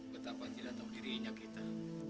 betapa tidak tahu dirinya kita